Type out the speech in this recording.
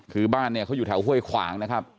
คือบ้านเนี่ยเขาอยู่แถวห้วยขวางนะครับ